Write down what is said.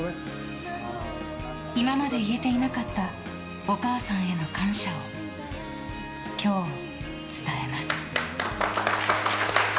今まで言えていなかったお母さんへの感謝を今日伝えます。